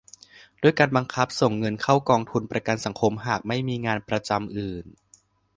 ด้วยการบังคับส่งเงินเข้ากองทุนประกันสังคมหากไม่มีงานประจำอื่น